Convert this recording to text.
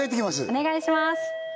お願いします